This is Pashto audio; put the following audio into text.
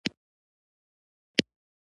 جګړه د ټولني د پرمختګ مخه نيسي.